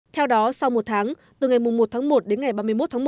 theo đó sau một tháng từ ngày một tháng một đến ngày ba mươi một tháng một